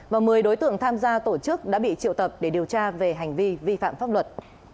và một mươi đối tượng tham gia tổ chức đã bị triệu tập để điều tra về hành vi vi phạm pháp luật